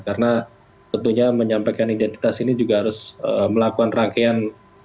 karena tentunya menyampaikan identitas ini juga harus melakukan rangkaian